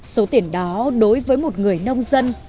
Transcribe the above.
số tiền đó đối với một người nông dân